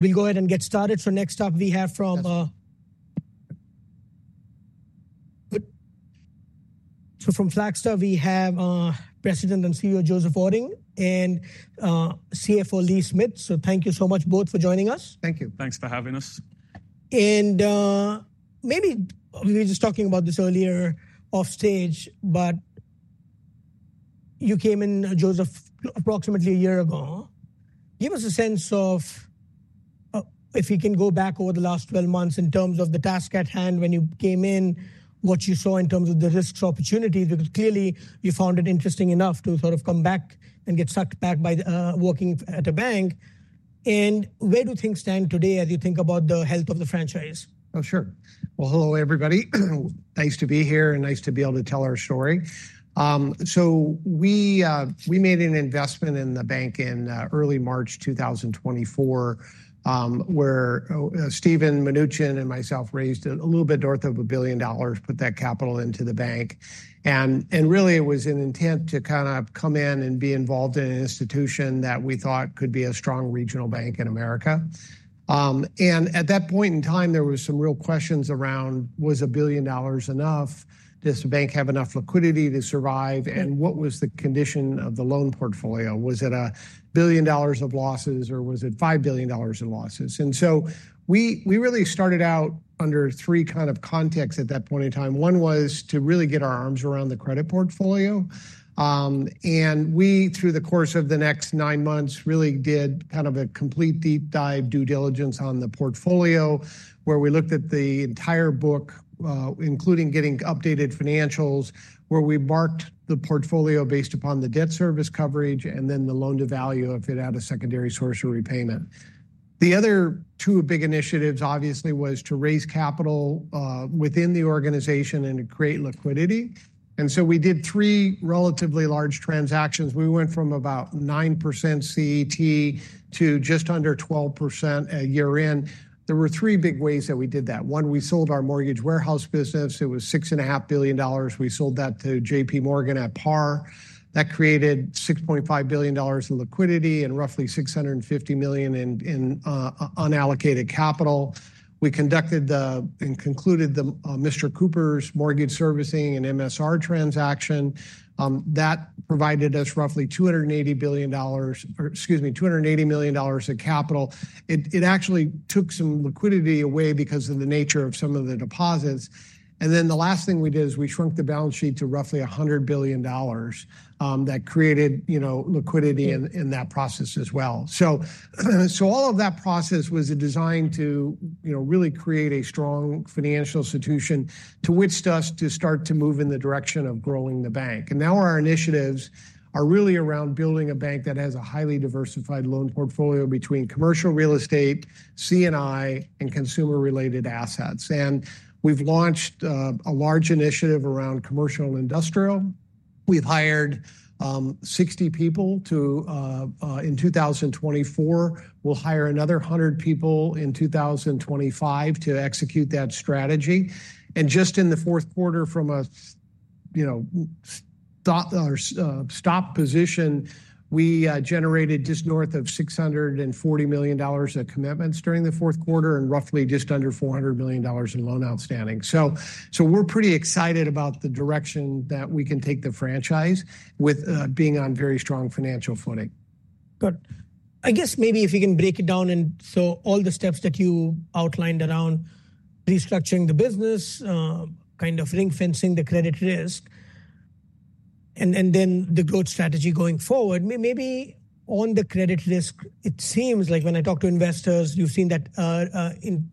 We'll go ahead and get started. Next up, we have from Flagstar President and CEO Joseph Otting, and CFO Lee Smith. Thank you so much both for joining us. Thank you. Thanks for having us. Maybe we were just talking about this earlier offstage, but you came in, Joseph, approximately a year ago. Give us a sense of, if we can go back over the last 12 months in terms of the task at hand, when you came in, what you saw in terms of the risks, opportunities, because clearly you found it interesting enough to sort of come back and get sucked back by, working at a bank, and where do things stand today as you think about the health of the franchise? Oh, sure. Well, hello everybody. Nice to be here and nice to be able to tell our story. So, we made an investment in the bank in early March 2024, where Steven Mnuchin and myself raised a little bit north of a billion dollars, put that capital into the bank. And really, it was an intent to kind of come in and be involved in an institution that we thought could be a strong regional bank in America, and at that point in time, there were some real questions around:, was a billion dollars enough? Does the bank have enough liquidity to survive? And what was the condition of the loan portfolio? Was it a billion dollars of losses or was it $5 billion in losses? And so, we, we really started out under three kind of contexts at that point in time. One was to really get our arms around the credit portfolio, and we, through the course of the next nine months, really did kind of a complete deep dive due diligence on the portfolio where we looked at the entire book, including getting updated financials, where we marked the portfolio based upon the debt service coverage and then the loan to value if it had a secondary source of repayment. The other two big initiatives, obviously, was to raise capital within the organization and to create liquidity, and so we did three relatively large transactions. We went from about 9% CET to just under 12% a year in. There were three big ways that we did that. One, we sold our mortgage warehouse business. It was $6.5 billion. We sold that to JPMorgan at par. That created $6.5 billion in liquidity and roughly $650 million in unallocated capital. We conducted and concluded the Mr. Cooper's mortgage servicing and MSR transaction that provided us roughly $280 billion, oh excuse me, $280 million of capital. It actually took some liquidity away because of the nature of some of the deposits. And then the last thing we did was we shrunk the balance sheet to roughly $100 billion, that created, you know, liquidity in that process as well. So, all of that process was designed to, you know, really create a strong financial institution to which us to start to move in the direction of growing the bank. And now our initiatives are really around building a bank that has a highly diversified loan portfolio between commercial real estate, C&I, and consumer-related assets. And we've launched a large initiative around commercial and industrial. We've hired 60 people in 2024. We'll hire another hundred people in 2025 to execute that strategy. Just in the fourth quarter, from a, you know, standing start position, we generated just north of $640 million of commitments during the fourth quarter and roughly just under $400 million in loan outstanding. We're pretty excited about the direction that we can take the franchise, with being on very strong financial footing. Good. I guess, maybe if you can break down and so all the steps that you outlined around restructuring the business, kind of ring-fencing the credit risk, and then the growth strategy going forward. Maybe on the credit risk, it seems like when I talk to investors, you've seen that, in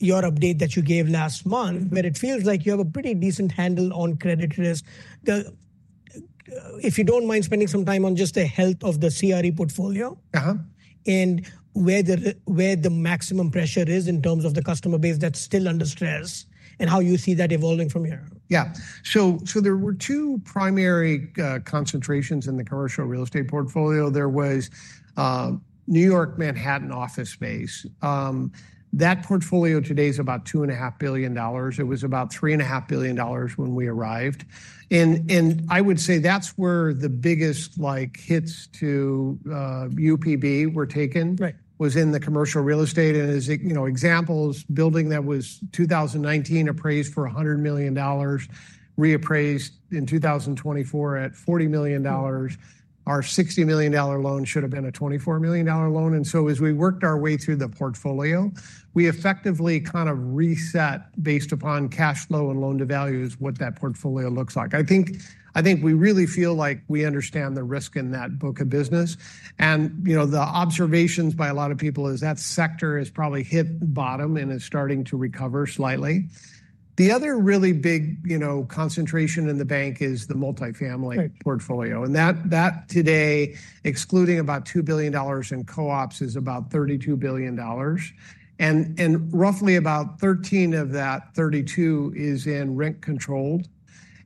your update that you gave last month, where it feels like you have a pretty decent handle on credit risk. If you don't mind spending some time on just the health of the CRE portfolio. Uh-huh. And where the maximum pressure is in terms of the customer base that's still under stress, and how you see that evolving from here. Yeah. There were two primary concentrations in the commercial real estate portfolio. There was New York Manhattan office space. That portfolio today is about $2.5 billion. It was about $3.5 billion when we arrived. I would say that's where the biggest, like, hits to UPB were taken. Right. It was in the commercial real estate, and as you know, examples building that was 2019 appraised for $100 million, reappraised in 2024 at $40 million. Our $60 million loan should have been a $24 million loan. And so as we worked our way through the portfolio, we effectively kind of reset based upon cash flow and loan-to-value. That is what that portfolio looks like. I think we really feel like we understand the risk in that book of business. And you know, the observations by a lot of people is that sector has probably hit bottom and is starting to recover slightly. The other really big, you know, concentration in the bank is the multifamily portfolio. And that today, excluding about $2 billion in co-ops, is about $32 billion. And roughly about 13 of that 32 is in rent-controlled.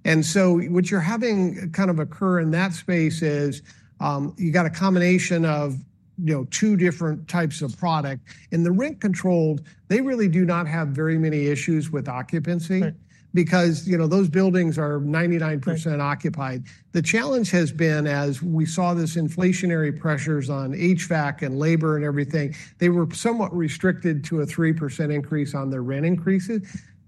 And so what you're having kind of occur in that space is, you got a combination of, you know, two different types of product. In the rent-controlled, they really do not have very many issues with occupancy because, you know, those buildings are 99% occupied. The challenge has been, as we saw these inflationary pressures on HVAC and labor and everything, they were somewhat restricted to a 3% increase on their rent increases,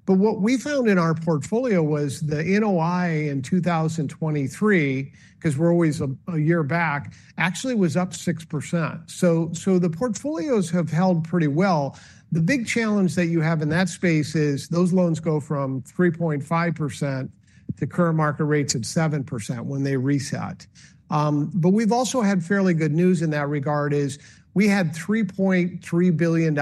but what we found in our portfolio was the NOI in 2023, 'cause we're always a year back, actually, was up 6%. So, the portfolios have held pretty well. The big challenge that you have in that space is those loans go from 3.5% to current market rates at 7% when they reset. But we've also had fairly good news in that regard, is we had $3.3 billion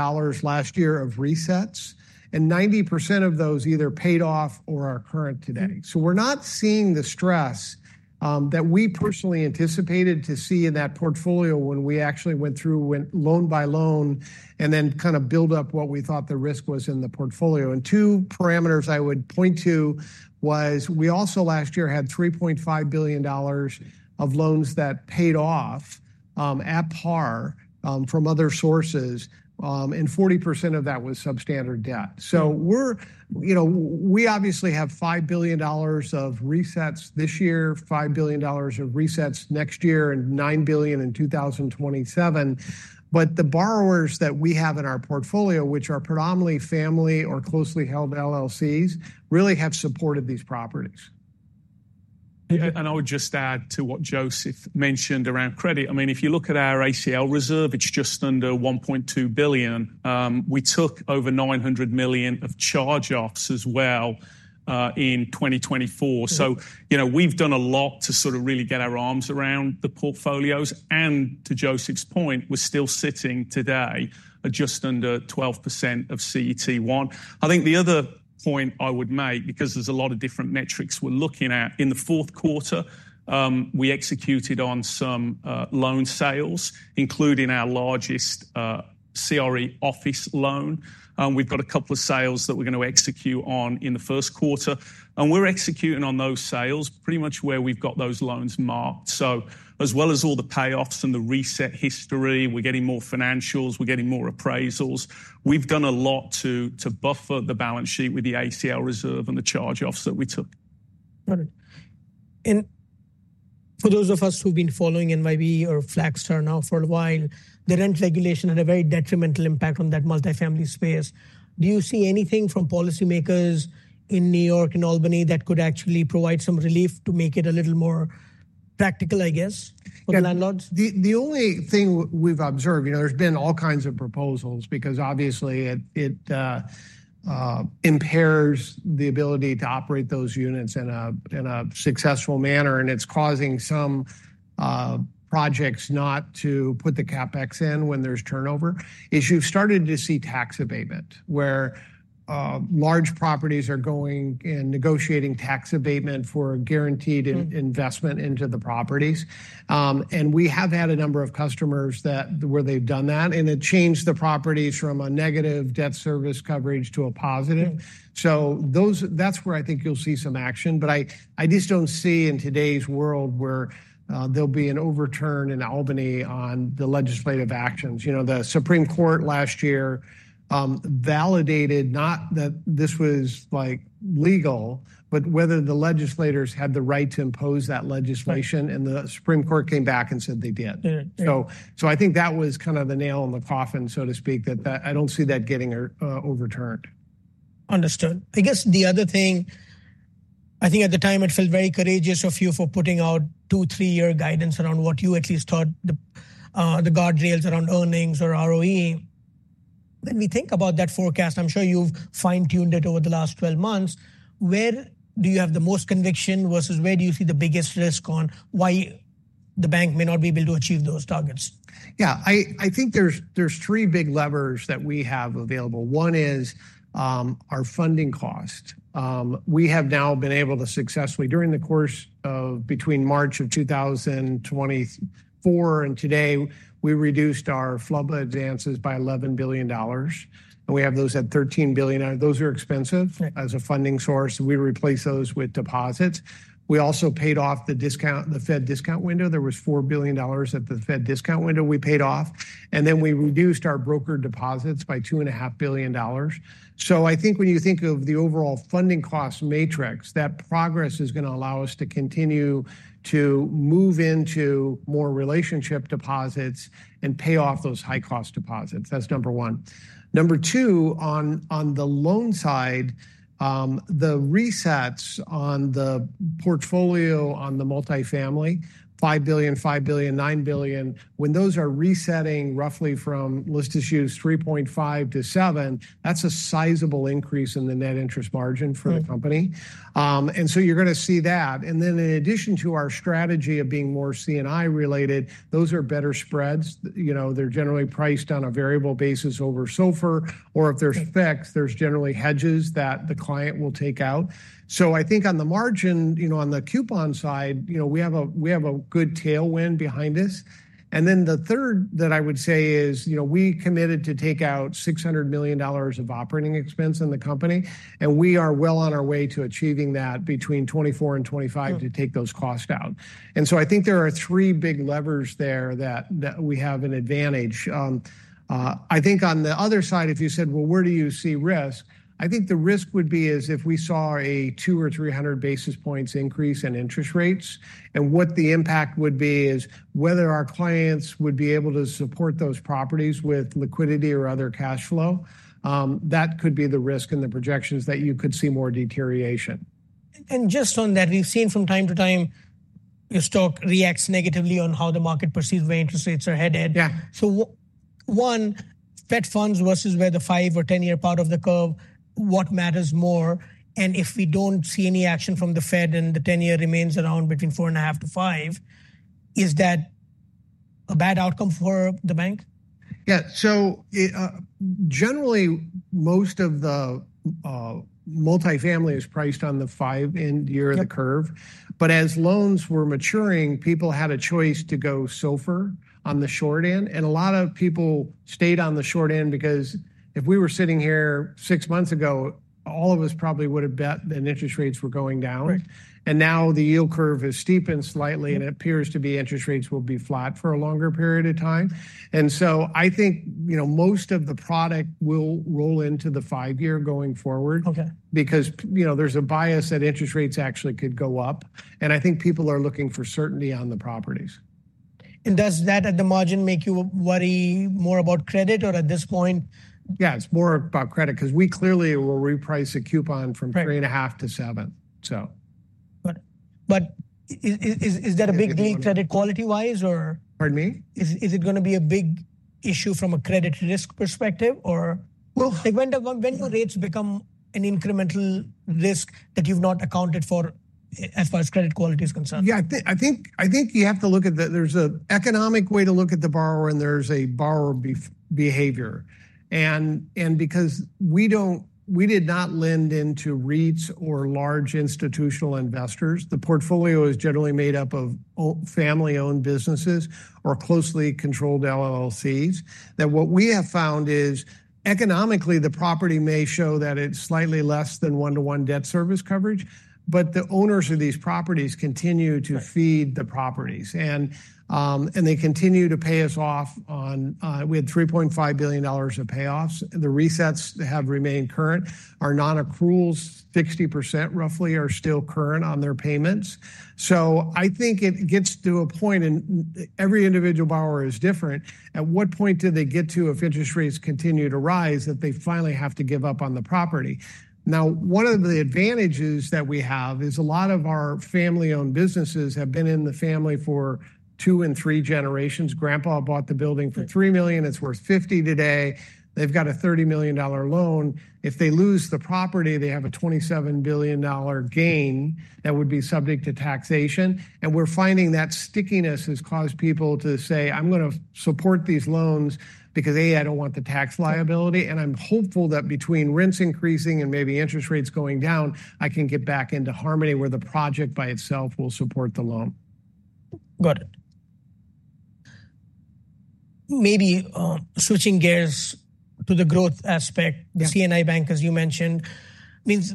last year of resets, and 90% of those either paid off or are current today. So we're not seeing the stress that we personally anticipated to see in that portfolio when we actually went through, went loan-by-loan, and then kind of built up what we thought the risk was in the portfolio. And two parameters I would point to was we also last year had $3.5 billion of loans that paid off, at par, from other sources, and 40% of that was substandard debt. So we're, you know, we obviously have $5 billion of resets this year, $5 billion of resets next year, and $9 billion in 2027. But the borrowers that we have in our portfolio, which are predominantly family or closely held LLCs, really have supported these properties. I would just add to what Joseph mentioned around credit. I mean, if you look at our ACL reserve, it's just under $1.2 billion. We took over $900 million of charge-offs as well, in 2024. So, you know, we've done a lot to sort of really get our arms around the portfolios. And to Joseph's point, we're still sitting today at just under 12% of CET1. I think the other point I would make, because there's a lot of different metrics we're looking at in the fourth quarter, we executed on some loan sales, including our largest CRE office loan. We've got a couple of sales that we're going to execute on in the first quarter. And we're executing on those sales pretty much where we've got those loans marked. So, as well as all the payoffs and the reset history, we're getting more financials, we're getting more appraisals. We've done a lot to buffer the balance sheet with the ACL reserve and the charge-offs that we took. Got it. And for those of us who've been following NYB or Flagstar now for a while, the rent regulation had a very detrimental impact on that multifamily space. Do you see anything from policymakers in New York and Albany that could actually provide some relief to make it a little more practical, I guess, for the landlords? The only thing we've observed, you know, there's been all kinds of proposals because obviously it impairs the ability to operate those units in a successful manner. And it's causing some projects not to put the CapEx in when there's turnover. We've started to see tax abatement, where large properties are going and negotiating tax abatement for a guaranteed investment into the properties. We have had a number of customers that where they've done that, and it changed the properties from a negative debt service coverage to a positive. So that's where I think you'll see some action. But I just don't see in today's world where there'll be an overturn in Albany on the legislative actions. You know, the Supreme Court last year validated not that this was like legal, but whether the legislators had the right to impose that legislation, and the Supreme Court came back and said they did. So, I think that was kind of the nail in the coffin, so to speak at that, that I don't see that getting overturned. Understood. I guess the other thing, I think at the time it felt very courageous of you for putting out two, three-year guidance around what you at least thought the, the guardrails around earnings or ROE. When we think about that forecast, I'm sure you've fine-tuned it over the last 12 months. Where do you have the most conviction versus where do you see the biggest risk on why the bank may not be able to achieve those targets? Yeah, I think there's three big levers that we have available. One is our funding cost. We have now been able to successfully during the course of between March of 2024 and today; we reduced our FHLB advances by $11 billion, and we have those at $13 billion, those are expensive as a funding source. We replace those with deposits. We also paid off the discount, the Fed discount window. There was $4 billion at the Fed discount window we paid off, and then we reduced our broker deposits by $2.5 billion. So, I think when you think of the overall funding cost matrix, that progress is going to allow us to continue to move into more relationship deposits and pay off those high-cost deposits. That's number one. Number two, on the loan side, the resets on the portfolio on the multifamily, $5 billion, $5 billion, $9 billion, when those are resetting roughly from list issues 3.5%-7%, that's a sizable increase in the net interest margin for the company. And so you're going to see that. And then, in addition to our strategy of being more C&I related, those are better spreads. You know, they're generally priced on a variable basis over SOFR, or if there's fixed, there's generally hedges that the client will take out. So I think on the margin, you know, on the coupon side, you know, we have a good tailwind behind us. Then the third that I would say is, you know, we committed to take out $600 million of operating expense in the company, and we are well on our way to achieving that between 2024 and 2025 to take those costs out. I think there are three big levers there that we have an advantage. I think on the other side, if you said, well, where do you see risk? I think the risk would be as if we saw a 200 or 300 basis points increase in interest rates, and what the impact would be is whether our clients would be able to support those properties with liquidity or other cash flow. That could be the risk in the projections that you could see more deterioration. Just on that, we've seen from time to time your stock reacts negatively on how the market perceives where interest rates are headed. Yeah. So, one: Fed funds versus where the five or 10-year part of the curve—what matters more? And if we don't see any action from the Fed and the 10-year remains around between four and a half to five, is that a bad outcome for the bank? Yeah. So, generally, most of the multifamily is priced on the five-year end of the curve. But as loans were maturing, people had a choice to go SOFR on the short end. And a lot of people stayed on the short end because if we were sitting here six months ago, all of us probably would have bet that interest rates were going down. And now the yield curve has steepened slightly,, and it appears to be interest rates will be flat for a longer period of time. And so I think, you know, most of the product will roll into the five-year going forward. Okay. Because, you know, there's a bias that interest rates actually could go up, and I think people are looking for certainty on the properties. Does that at the margin make you worry more about credit or at this point? Yeah, it's more about credit because we clearly will reprice a coupon from 3.5%-7%. So. But is that a big deal credit quality-wise or? Pardon me? Is it going to be a big issue from a credit risk perspective or? Well. Like, when do rates become an incremental risk that you've not accounted for as far as credit quality is concerned? Yeah, I think, I think, I think you have to look at the. There's an economic way to look at the borrower, and there's a borrower behavior. And because we don't, we did not lend into REITs or large institutional investors, the portfolio is generally made up of family-owned businesses or closely controlled LLCs. That what we have found is economically, the property may show that it's slightly less than one-to-one debt service coverage, but the owners of these properties continue to feed the properties. And they continue to pay us off on. We had $3.5 billion of payoffs. The resets that have remained current are non-accruals. 60% roughly are still current on their payments. So I think it gets to a point, and every individual borrower is different. At what point do they get to if interest rates continue to rise that they finally have to give up on the property? Now, one of the advantages that we have is a lot of our family-owned businesses have been in the family for two and three generations. Grandpa bought the building for $3 million. It's worth $50 million. They've got a $30 million loan. If they lose the property, they have a $27 billion gain that would be subject to taxation, and we're finding that stickiness has caused people to say, "I'm going to support these loans because A, I don't want the tax liability, and I'm hopeful that between rents increasing and maybe interest rates going down, I can get back into harmony where the project by itself will support the loan. Got it. Maybe switching gears to the growth aspect, the C&I Bank, as you mentioned, means.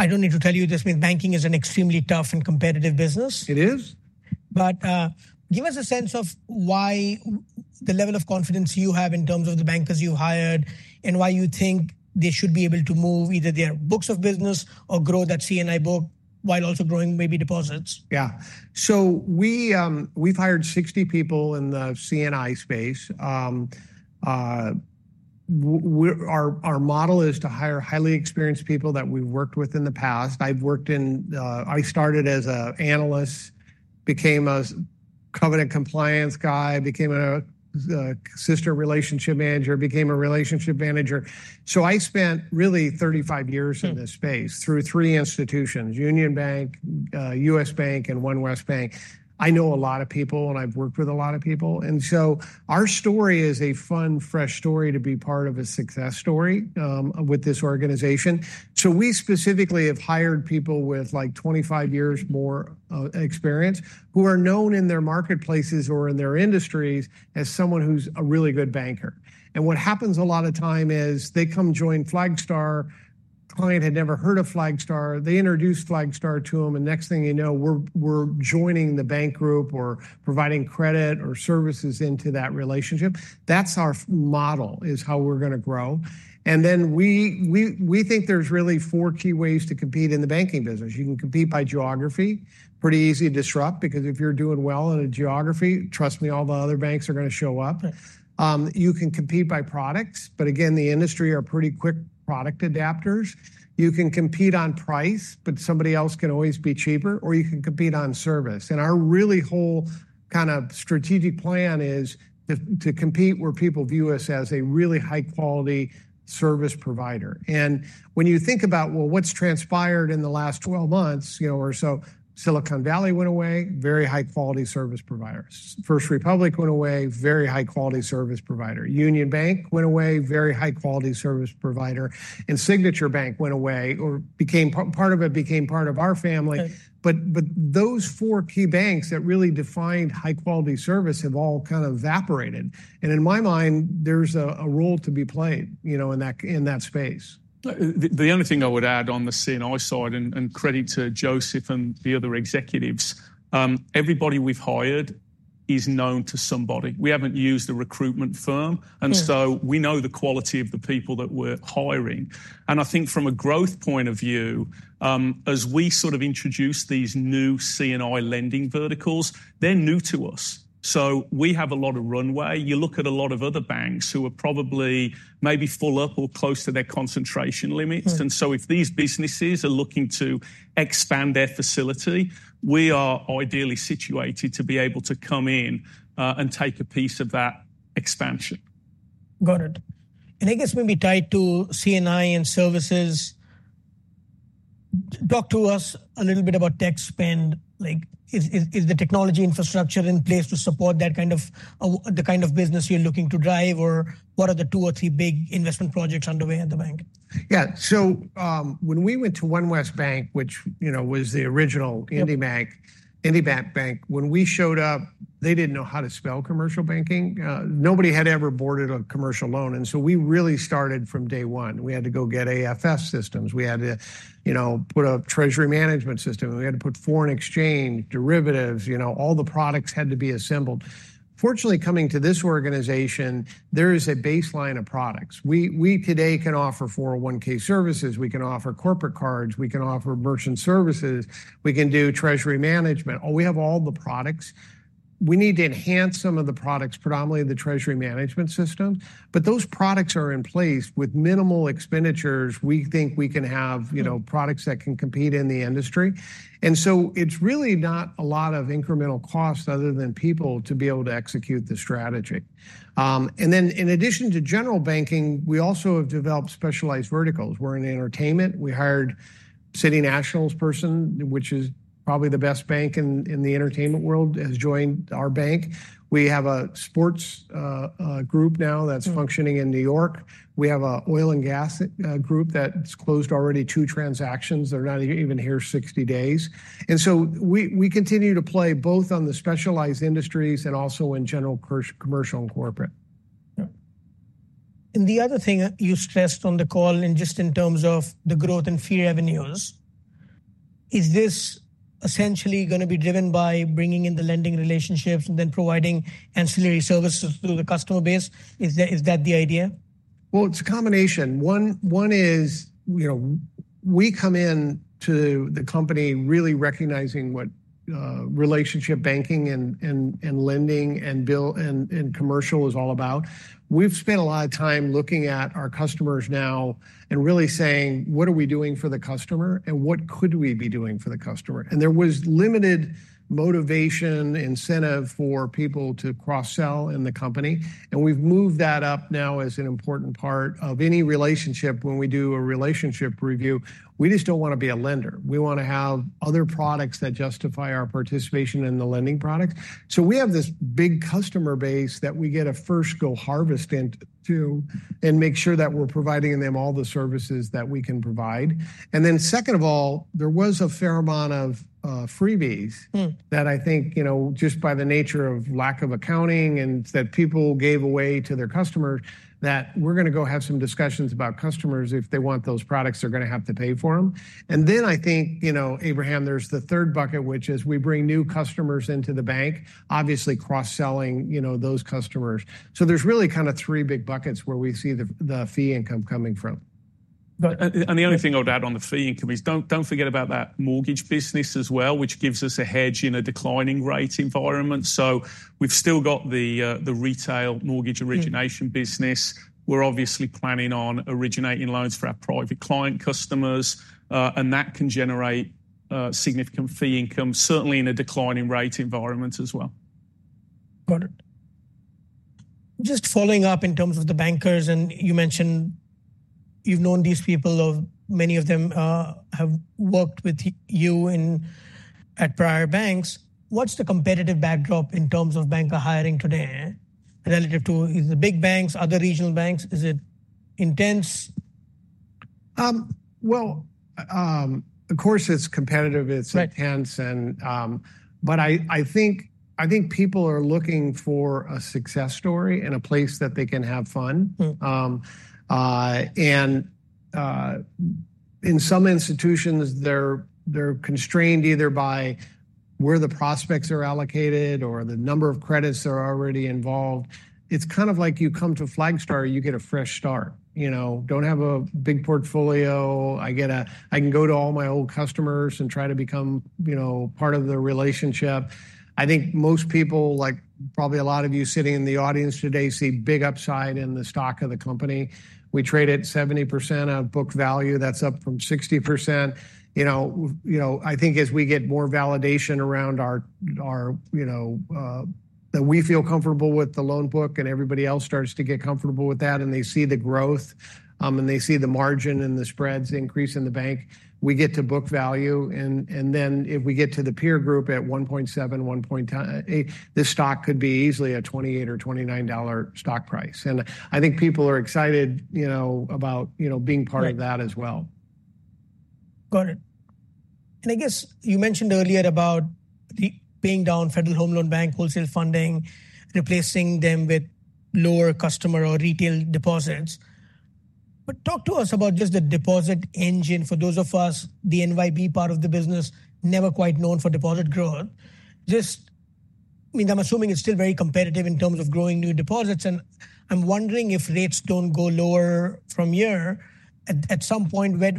I don't need to tell you this. Means banking is an extremely tough and competitive business. It is. But give us a sense of why the level of confidence you have in terms of the bankers you've hired and why you think they should be able to move either their books of business or grow that C&I book while also growing maybe deposits? Yeah. We've hired 60 people in the C&I space. Our model is to hire highly experienced people that we've worked with in the past. I've worked in, I started as an analyst, became a covenant compliance guy, became a senior relationship manager, became a relationship manager. So, I spent really 35 years in this space through three institutions, Union Bank, U.S. Bank, and OneWest Bank. I know a lot of people and I've worked with a lot of people. Our story is a fun, fresh story to be part of a success story with this organization. We specifically have hired people with like 25 years more experience who are known in their marketplaces or in their industries as someone who's a really good banker. And what happens a lot of time is they come join Flagstar. Client had never heard of Flagstar. They introduced Flagstar to them, and next thing you know, we're joining the bank group or providing credit or services into that relationship. That's our model is how we're going to grow. And then we think there's really four key ways to compete in the banking business. You can compete by geography. Pretty easy to disrupt because if you're doing well in a geography, trust me, all the other banks are going to show up. You can compete by products, but again, the industry are pretty quick product adapters. You can compete on price, but somebody else can always be cheaper, or you can compete on service. And our really whole kind of strategic plan is to compete where people view us as a really high-quality service provider. And when you think about, well, what's transpired in the last 12 months, you know, or so, Silicon Valley went away, very high-quality service providers. First Republic went away, very high-quality service provider. Union Bank went away, very high-quality service provider. And Signature Bank went away or became part of it, became part of our family. But those four key banks that really defined high-quality service have all kind of evaporated. And in my mind, there's a role to be played, you know, in that, in that space. The only thing I would add on the C&I side and credit to Joseph and the other executives, everybody we've hired is known to somebody. We haven't used a recruitment firm. And so we know the quality of the people that we're hiring. And I think from a growth point of view, as we sort of introduce these new C&I lending verticals, they're new to us. So, we have a lot of runway. You look at a lot of other banks who are probably maybe full up or close to their concentration limits. And so if these businesses are looking to expand their facility, we are ideally situated to be able to come in and take a piece of that expansion. Got it. And I guess when we tie to C&I and services, talk to us a little bit about tech spend. Like, is the technology infrastructure in place to support that kind of, the kind of business you're looking to drive, or what are the two or three big investment projects underway at the bank? Yeah, so when we went to OneWest Bank, which, you know, was the original IndyMac Bank, when we showed up, they didn't know how to spell commercial banking. Nobody had ever boarded a commercial loan, and so we really started from day one. We had to go get AFS systems. We had to, you know, put a treasury management system. We had to put foreign exchange derivatives, you know, all the products had to be assembled. Fortunately, coming to this organization, there is a baseline of products. We today can offer 401(k) services. We can offer corporate cards. We can offer merchant services. We can do treasury management. Oh, we have all the products. We need to enhance some of the products, predominantly the treasury management systems, but those products are in place with minimal expenditures. We think we can have, you know, products that can compete in the industry. And so it's really not a lot of incremental cost other than people to be able to execute the strategy. And then in addition to general banking, we also have developed specialized verticals. We're in the entertainment. We hired City National's person, which is probably the best bank in the entertainment world, has joined our bank. We have a Sports group now that's functioning in New York. We have an Oil and Gas group that's closed already two transactions. They're not even here 60 days. And so we continue to play both on the specialized industries and also in general commercial and corporate. The other thing you stressed on the call, and just in terms of the growth in fee revenues, is this essentially going to be driven by bringing in the lending relationships and then providing ancillary services through the customer base? Is that, is that the idea? It's a combination. One is, you know, we come into the company really recognizing what relationship banking and lending and commercial is all about. We've spent a lot of time looking at our customers now and really saying, what are we doing for the customer, and what could we be doing for the customer? And there was limited motivation, incentive for people to cross-sell in the company. And we've moved that up now as an important part of any relationship. When we do a relationship review, we just don't want to be a lender. We want to have other products that justify our participation in the lending products. So we have this big customer base that we get a first go harvest into and make sure that we're providing them all the services that we can provide. And then second of all, there was a fair amount of freebies that I think, you know, just by the nature of lack of accounting, and that people gave away to their customers that we're going to go have some discussions about customers. If they want those products, they're going to have to pay for them. And then I think, you know, Abraham, there's the third bucket, which is we bring new customers into the bank, obviously, cross-selling, you know, those customers. So, there's really kind of three big buckets where we see the fee income coming from. The only thing I would add on the fee income is, don't forget about that mortgage business as well, which gives us a hedge in a declining rate environment. We've still got the retail mortgage origination business. We're obviously planning on originating loans for our private client customers, and that can generate significant fee income, certainly in a declining rate environment as well. Got it. Just following up in terms of the bankers, and you mentioned you've known these people, many of them, have worked with you at prior banks. What's the competitive backdrop in terms of banker hiring today, relative to the big banks, other regional banks? Is it intense? Of course, it's competitive. It's intense. But, I think people are looking for a success story in a place that they can have fun. In some institutions, they're constrained either by where the prospects are allocated or the number of credits that are already involved. It's kind of like you come to Flagstar, you get a fresh start, you know, don't have a big portfolio. I can go to all my old customers and try to become, you know, part of the relationship. I think most people, like probably a lot of you sitting in the audience today, see big upside in the stock of the company. We trade at 70% of book value. That's up from 60%. You know, I think as we get more validation around our you know that we feel comfortable with the loan book and everybody else starts to get comfortable with that and they see the growth, and they see the margin and the spreads increase in the bank, we get to book value, then if we get to the peer group at 1.7, 1.8, this stock could be easily a $28 or $29 stock price. I think people are excited, you know, about, you know, being part of that as well. Got it. And I guess, you mentioned earlier about paying down Federal Home Loan Bank wholesale funding, replacing them with lower customer or retail deposits. But talk to us about just the deposit engine for those of us, the NYB part of the business, never quite known for deposit growth. Just, I mean, I'm assuming it's still very competitive in terms of growing new deposits. And I'm wondering if rates don't go lower from here at some point, where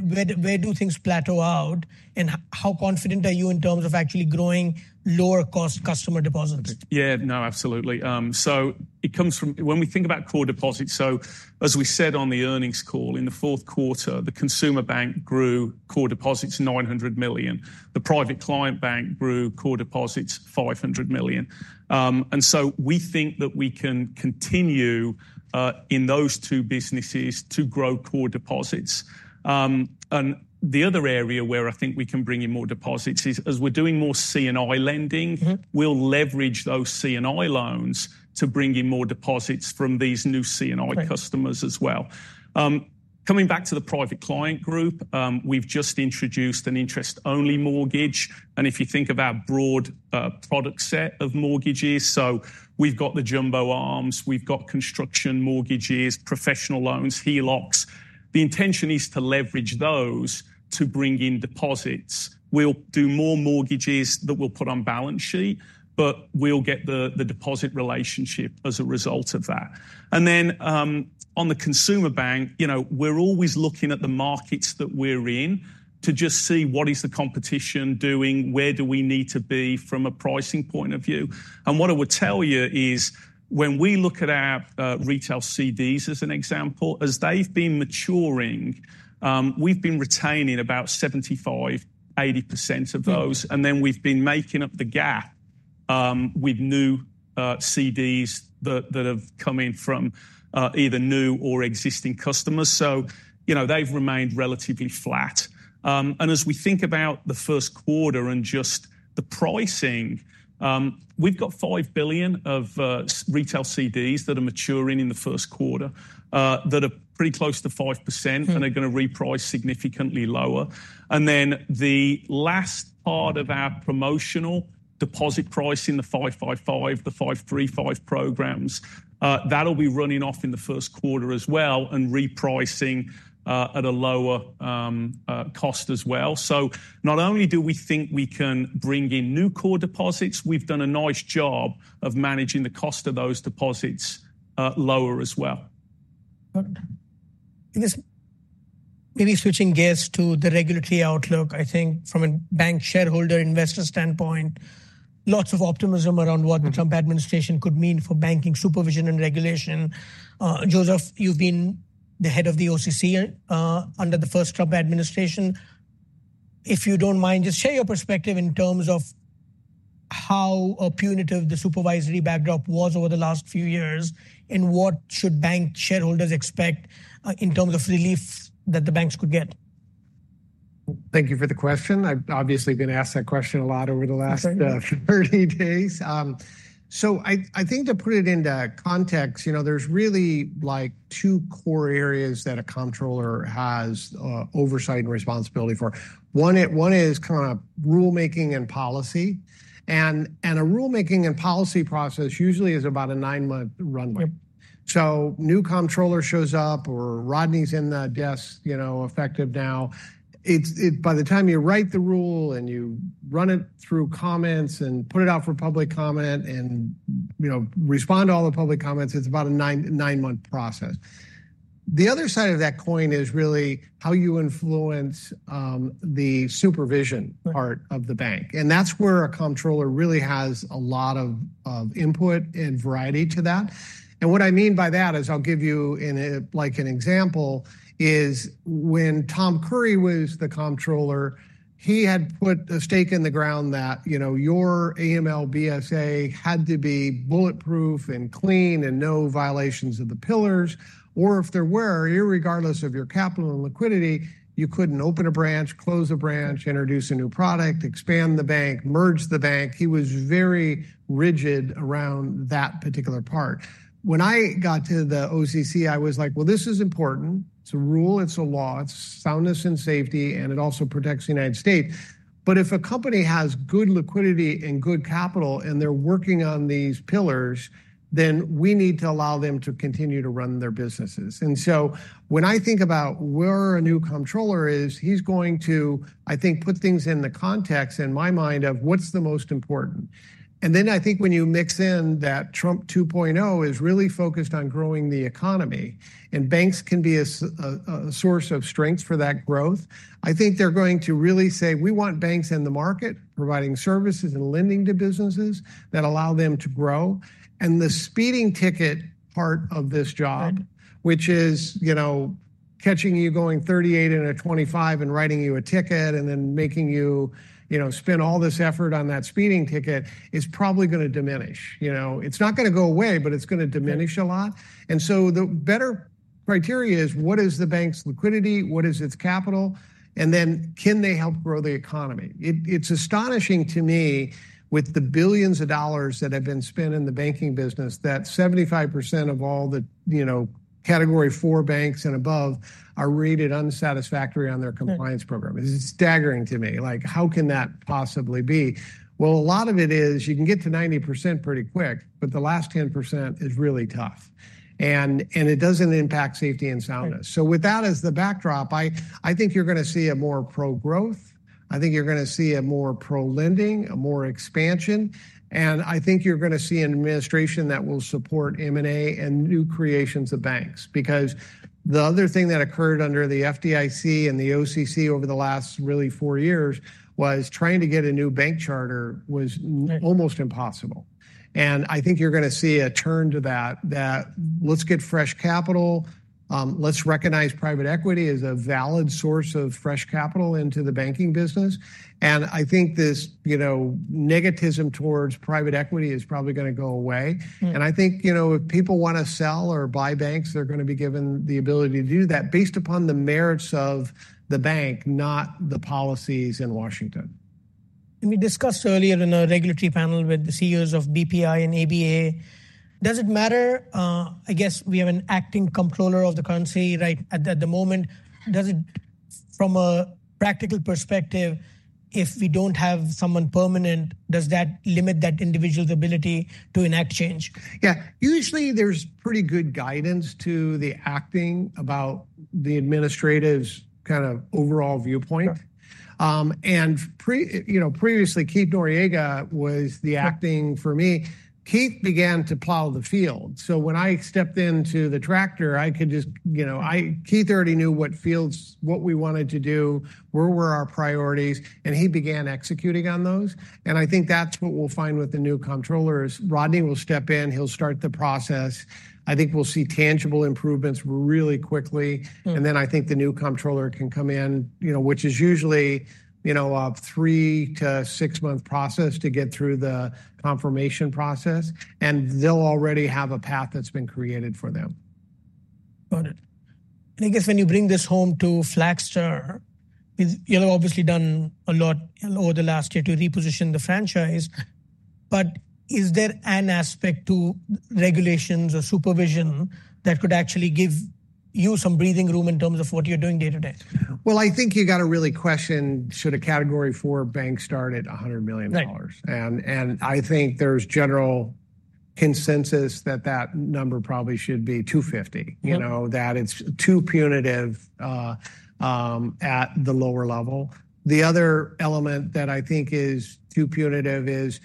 do things plateau out, and how confident are you in terms of actually growing lower cost customer deposits? Yeah, no, absolutely. So it comes from when we think about core deposits. So, as we said on the earnings call in the fourth quarter, the consumer bank grew core deposits $900 million. The private client bank grew core deposits $500 million. And so we think that we can continue, in those two businesses to grow core deposits. And the other area where I think we can bring in more deposits is as we're doing more C&I lending, we'll leverage those C&I loans to bring in more deposits from these new C&I customers as well. Coming back to the private client group, we've just introduced an interest-only mortgage. And if you think about broad product set of mortgages, so we've got the jumbo ARMs, we've got construction mortgages, professional loans, HELOCs. The intention is to leverage those to bring in deposits. We'll do more mortgages that we'll put on balance sheet, but we'll get the deposit relationship as a result of that. And then, on the consumer bank, you know, we're always looking at the markets that we're in to just see what is the competition doing, where do we need to be from a pricing point of view? And what I would tell you is when we look at our retail CDs as an example, as they've been maturing, we've been retaining about 75%-80% of those. And then we've been making up the gap with new CDs that have come in from either new or existing customers. So, you know, they've remained relatively flat. And as we think about the first quarter and just the pricing, we've got $5 billion of retail CDs that are maturing in the first quarter, that are pretty close to 5% and are going to reprice significantly lower. And then the last part of our promotional deposit price in the 555, the 535 programs, that'll be running off in the first quarter as well, and repricing at a lower cost as well. Oh, not only do we think we can bring in new core deposits, we've done a nice job of managing the cost of those deposits lower as well. I guess maybe switching gears to the regulatory outlook, I think from a bank shareholder investor standpoint, lots of optimism around what the Trump administration could mean for banking supervision and regulation. Joseph, you've been the head of the OCC under the first Trump administration. If you don't mind, just share your perspective in terms of how punitive the supervisory backdrop was over the last few years, and what should bank shareholders expect in terms of relief that the banks could get. Thank you for the question. I've obviously been asked that question a lot over the last 30 days. So I, I think to put it into context, you know, there's really like two core areas that a comptroller has, oversight and responsibility for. One is kind of rulemaking and policy. And, and a rulemaking and policy process usually is about a nine-month runway. So new comptroller shows up or Rodney's in the desk, you know, effective now. It's, it's by the time you write the rule, and you run it through comments and put it out for public comment, and you know, respond to all the public comments, it's about a nine, nine-month process. The other side of that coin is really how you influence the supervision part of the bank. And that's where a comptroller really has a lot of input and variety to that. What I mean by that is I'll give you, like, an example. When Tom Curry was the Comptroller, he had put a stake in the ground that, you know, your AML BSA had to be bulletproof and clean and no violations of the pillars. Or if there were, irregardless of your capital and liquidity, you couldn't open a branch, close a branch, introduce a new product, expand the bank, merge the bank. He was very rigid around that particular part. When I got to the OCC, I was like, well, this is important. It's a rule, it's a law, it's soundness and safety, and it also protects the United States. But if a company has good liquidity and good capital and they're working on these pillars, then we need to allow them to continue to run their businesses. And so, when I think about where a new comptroller is, he's going to, I think, put things in the context in my mind of what's the most important. And then I think when you mix in that Trump 2.0 is really focused on growing the economy, and banks can be a source of strength for that growth, I think they're going to really say, we want banks in the market providing services and lending to businesses that allow them to grow. And the speeding ticket part of this job, which is, you know, catching you going 38 in a 25 and writing you a ticket and then making you, you know, spend all this effort on that speeding ticket, is probably going to diminish. You know, it's not going to go away, but it's going to diminish a lot. The better criteria is, what is the bank's liquidity? What is its capital? And then, can they help grow the economy? It's astonishing to me, with the billions of dollars that have been spent in the banking business, that 75% of all the, you know, Category IV banks and above are rated unsatisfactory on their compliance program. It's staggering to me. Like, how can that possibly be? A lot of it is you can get to 90% pretty quick, but the last 10% is really tough. And it doesn't impact safety and soundness. With that as the backdrop, I think you're going to see a more pro-growth. I think you're going to see a more pro-lending, a more expansion. I think you're going to see an administration that will support M&A and new creations of banks. Because the other thing that occurred under the FDIC and the OCC over the last really four years was trying to get a new bank charter was almost impossible. And I think, you're going to see a turn to that, that let's get fresh capital. Let's recognize private equity as a valid source of fresh capital into the banking business. I think this, you know, negativism towards private equity is probably going to go away. I think, you know, if people want to sell or buy banks, they're going to be given the ability to do that based upon the merits of the bank, not the policies in Washington. And we discussed earlier in a regulatory panel with the CEOs of BPI and ABA. Does it matter? I guess we have an Acting Comptroller of the Currency right at the moment. Does it, from a practical perspective, if we don't have someone permanent, does that limit that individual's ability to enact change? Yeah, usually there's pretty good guidance to the acting about the administrative kind of overall viewpoint, and you know, previously, Keith Noreika was the acting for me. Keith began to plow the field. So when I stepped into the tractor, I could just, you know, Keith already knew what fields, what we wanted to do, where were our priorities, and he began executing on those. I think that's what we'll find with the new comptroller: Rodney will step in, he'll start the process. I think we'll see tangible improvements really quickly, and then I think the new comptroller can come in, you know, which is usually, you know, a three to six month process to get through the confirmation process, and they'll already have a path that's been created for them. Got it. And I guess when you bring this home to Flagstar, you have obviously done a lot over the last year to reposition the franchise. But is there an aspect to regulations or supervision that could actually give you some breathing room in terms of what you're doing day to day? I think you got to really question, should a Category IV bank start at $100 billion? I think, there's a general consensus that that number probably should be $250 billion, you know, that it's too punitive at the lower level. The other element that I think is too punitive is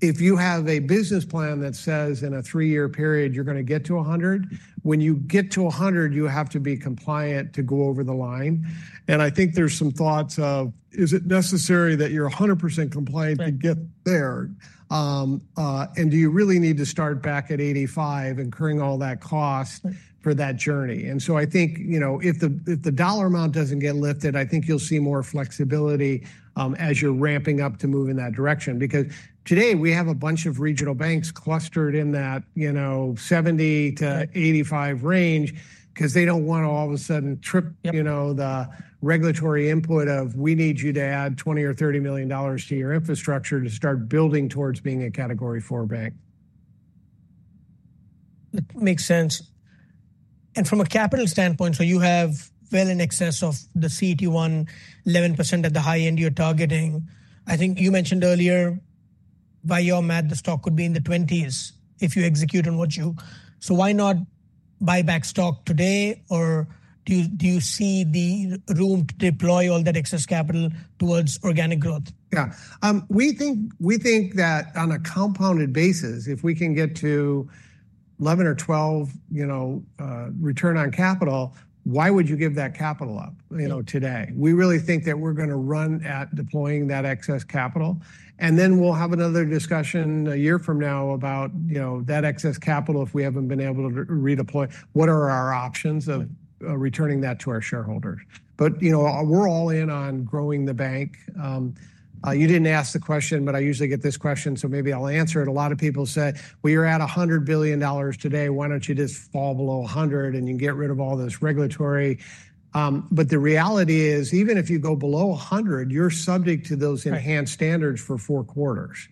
if you have a business plan that says in a three-year period, you're going to get to $100 billion. When you get to $100 billion, you have to be compliant to go over the line. I think there's some thoughts of, is it necessary that you're 100% compliant to get there? Do you really need to start back at 85% incurring all that cost for that journey? I think, you know, if the dollar amount doesn't get lifted, I think you'll see more flexibility, as you're ramping up to move in that direction. Because today we have a bunch of regional banks clustered in that, you know, 70-85 range, because they don't want to all of a sudden trip, you know, the regulatory input of, we need you to add $20 million or $30 million to your infrastructure to start building towards being a Category IV bank. Makes sense, and from a capital standpoint, so you have well in excess of the CET1, 11% at the high end you're targeting. I think you mentioned earlier by your math, the stock could be in the 20s if you execute on what you, so why not buy back stock today or do you, do you see the room to deploy all that excess capital towards organic growth? Yeah. We think, we think that on a compounded basis, if we can get to 11 or 12, you know, return on capital, why would you give that capital up, you know, today? We really think that we're going to run at deploying that excess capital. And then we'll have another discussion a year from now about, you know, that excess capital, if we haven't been able to redeploy, what are our options of returning that to our shareholders? But, you know, we're all in on growing the bank. You didn't ask the question, but I usually get this question, so maybe I'll answer it. A lot of people say, Well, you're at $100 billion today. Why don't you just fall below $100 billion, and you can get rid of all this regulatory? But the reality is, even if you go below a hundred, you're subject to those enhanced standards for four quarters.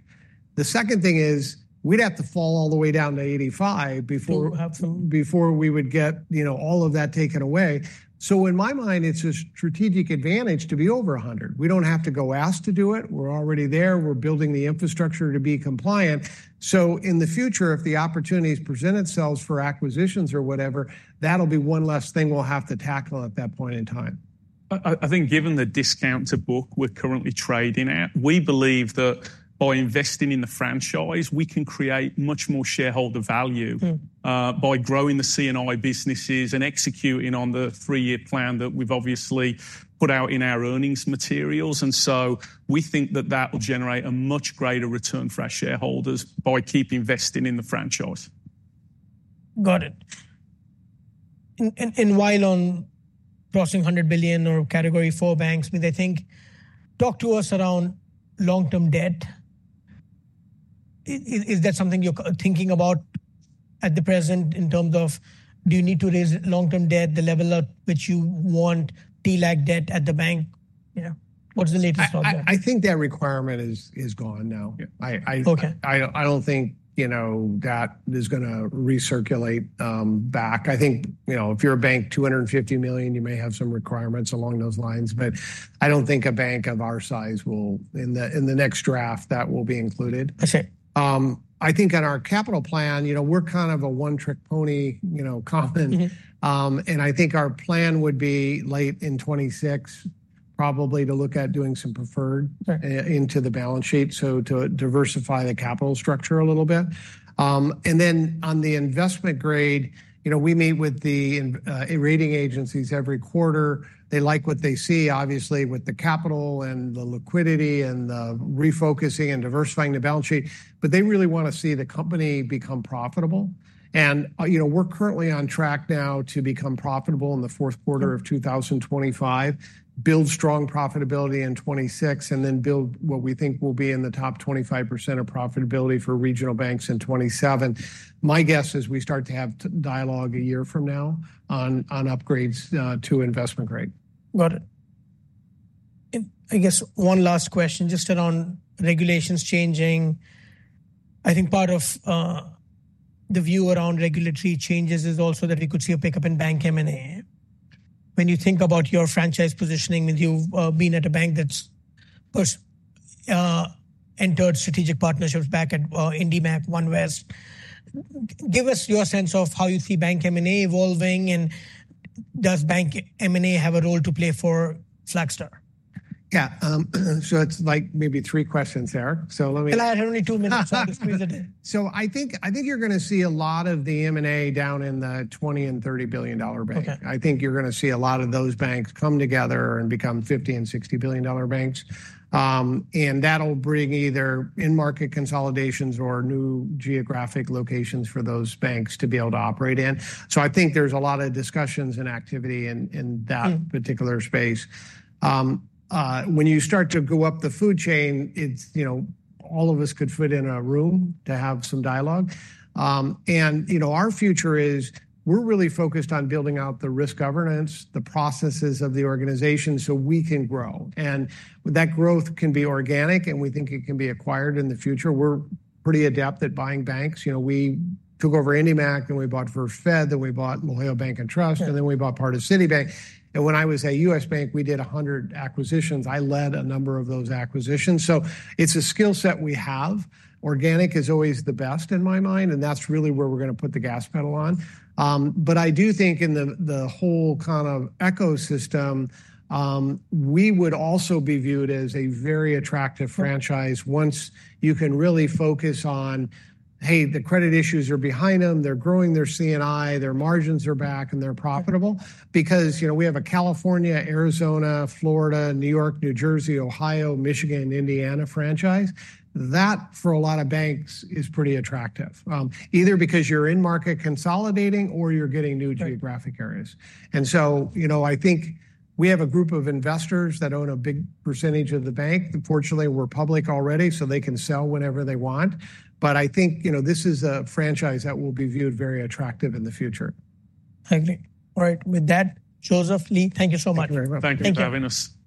The second thing is we'd have to fall all the way down to 85 before we would get, you know, all of that taken away. So in my mind, it's a strategic advantage to be over a hundred. We don't have to go ask to do it. We're already there. We're building the infrastructure to be compliant. So in the future, if the opportunities present themselves for acquisitions or whatever, that'll be one less thing we'll have to tackle at that point in time. I think, given the discount to book we're currently trading at, we believe that by investing in the franchise, we can create much more shareholder value by growing the C&I businesses and executing on the three-year plan that we've obviously put out in our earnings materials, and so we think that that will generate a much greater return for our shareholders by keeping investing in the franchise. Got it. And while on crossing $100 billion or Category IV banks, I mean, I think talk to us around long-term debt. Is that something you're thinking about at the present in terms of do you need to raise long-term debt the level at which you want TLAC debt at the bank? You know, what's the latest? I think that requirement is gone now. I don't think, you know, that is going to recirculate back. I think, you know, if you're a bank, $250 billion, you may have some requirements along those lines, but I don't think a bank of our size will, in the next draft that will be included. I think on our capital plan, you know, we're kind of a one-trick pony, you know, common and I think our plan would be late in 2026, probably to look at doing some preferred into the balance sheet, so to diversify the capital structure a little bit and then on the investment grade, you know, we meet with the rating agencies every quarter. They like what they see, obviously, with the capital and the liquidity and the refocusing and diversifying the balance sheet, but they really want to see the company become profitable. You know, we're currently on track now to become profitable in the fourth quarter of 2025, build strong profitability in 2026, and then build what we think will be in the top 25% of profitability for regional banks in 2027. My guess is we start to have dialogue a year from now on upgrades to investment grade. Got it. I guess one last question just around regulations changing. I think, part of the view around regulatory changes is also that we could see a pickup in bank M&A. When you think about your franchise positioning with you being at a bank that's entered strategic partnerships back at IndyMac, OneWest, give us your sense of how you see bank M&A evolving, and does bank M&A have a role to play for Flagstar? Yeah. So it's like maybe three questions there. So let me. But I only have two minutes. So, I just squeezed it in. So I think, I think you're going to see a lot of the M&A down in the $20 billion and $30 billion bank. Okay. I think you're going to see a lot of those banks come together and become $50 billion and $60 billion banks, and that'll bring either in-market consolidations or new geographic locations for those banks to be able to operate in. So, I think there's a lot of discussions and activity in that particular space. When you start to go up the food chain, it's, you know, all of us could fit in a room to have some dialogue, and, you know, our future is we're really focused on building out the risk governance, the processes of the organization so we can grow, and that growth can be organic and we think it can be acquired in the future. We're pretty adept at buying banks. You know, we took over IndyMac, then we bought First Fed, then we bought La Jolla Bank and Trust, and then we bought part of Citibank. And when I was at U.S. Bank, we did a hundred acquisitions. I led a number of those acquisitions. So, it's a skill set we have. Organic is always the best in my mind. And that's really where we're going to put the gas pedal on. But I do think in the whole kind of ecosystem, we would also be viewed as a very attractive franchise once you can really focus on, hey, the credit issues are behind them, they're growing their C&I, their margins are back, and they're profitable. Because, you know, we have a California, Arizona, Florida, New York, New Jersey, Ohio, Michigan, Indiana franchise. That, for a lot of banks, is pretty attractive. Either because you're in-market consolidating, or you're getting new geographic areas. And so, you know, I think we have a group of investors that own a big percentage of the bank. Fortunately, we're public already, so they can sell whenever they want. But I think, you know, this is a franchise that will be viewed very attractive in the future. I agree. All right. With that, Joseph, Lee, thank you so much. Thank you very much. Thank you for having us.